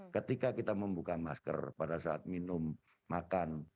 ketika kita membuka masker pada saat minum makan